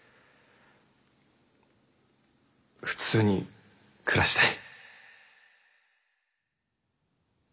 普通に暮らしたい。